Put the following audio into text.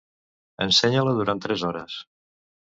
Ensenya-la durant tres hores.